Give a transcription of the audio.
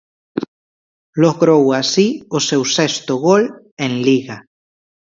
Logrou así o seu sexto gol en Liga.